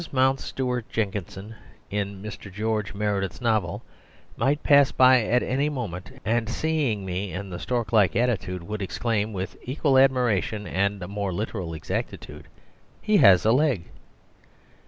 Mountstuart Jenkinson in Mr. George Meredith's novel might pass by at any moment, and seeing me in the stork like attitude would exclaim, with equal admiration and a more literal exactitude, "He has a leg."